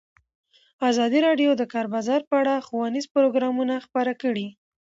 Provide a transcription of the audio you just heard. ازادي راډیو د د کار بازار په اړه ښوونیز پروګرامونه خپاره کړي.